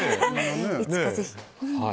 いつか、ぜひ。